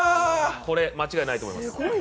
間違いないと思います。